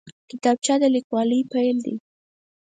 کتابچه د لیکوالۍ پیل دی